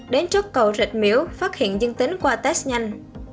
đến trước cầu rạch miễu phát hiện dương tính qua test nhanh